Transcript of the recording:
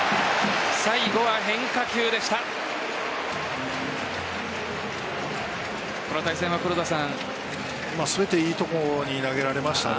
最後は変化球でした。